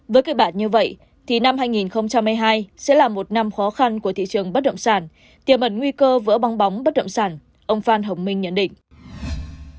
với kịch bản như vậy thì năm hai nghìn hai mươi hai sẽ là một năm khó khăn của thị trường bất động sản tiềm ẩn nguy cơ vỡng bóng bất động sản ông phan hồng minh nhận định